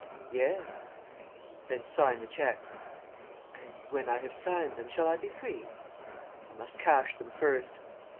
"Yes." "Then sign the cheques." "And, when I have signed them, shall I be free?" "I must cash them first."